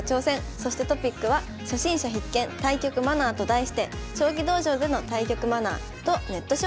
そしてトピックは「初心者必見！対局マナー」と題して将棋道場での対局マナーとネット将棋のマナーをご紹介します。